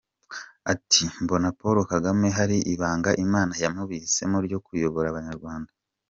Ati “Mbona Paul Kagame hari ibanga Imana yamubitsemo ryo kuyobora Abanyarwanda.